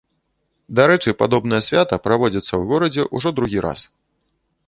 Дарэчы, падобнае свята праводзіцца ў горадзе ўжо другі раз.